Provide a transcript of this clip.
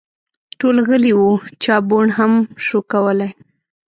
ټول غلي وه ، چا بوڼ هم شو کولی !